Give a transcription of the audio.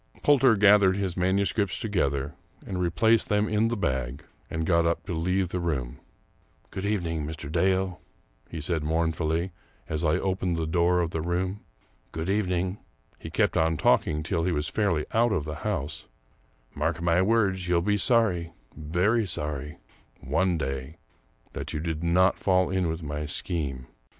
Poulter gathered his manuscripts together and replaced them in the bag, and got up to leave the room. " Good evening, Mr. Dale," he said mournfully, as I opened the door of the room. " Good evening "— he kept on talking till he was fairly out of the house —" mark my words, you'll be sorry — very sorry — one day that you did not fall in with my scheme.